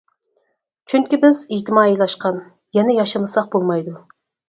چۈنكى، بىز ئىجتىمائىيلاشقان، يەنە ياشىمىساق بولمايدۇ!